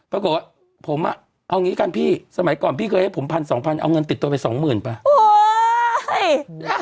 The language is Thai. ปรากฏว่าผมอ่ะเอางี้กันพี่สมัยก่อนพี่เคยให้ผมพันสองพันเอาเงินติดตัวไปสองหมื่นไป